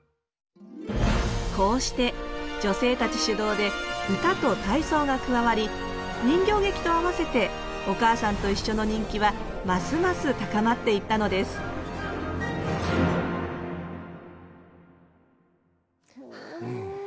こうして女性たち主導で歌と体操が加わり人形劇と合わせて「おかあさんといっしょ」の人気はますます高まっていったのですうん泣きそう。